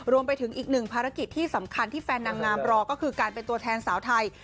รวมไปถึงอีกหนึ่งภารกิจที่สำคัญที่แฟนนางงามรอก็คือการเป็นตัวแทนสาวไทย